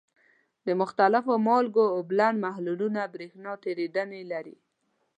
د مختلفو مالګو اوبلن محلولونه برېښنا تیریدنې لري.